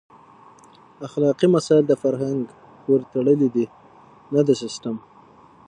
اخلاقي مسایل د فرهنګ پورې تړلي دي نه د سیسټم.